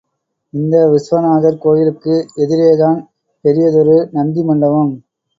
இந்த விஸ்வநாதர் கோயிலுக்கு எதிரேதான் பெரியதொரு நந்தி மண்டபம்.